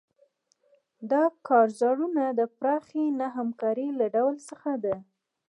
دا کارزارونه د پراخې نه همکارۍ له ډول څخه دي.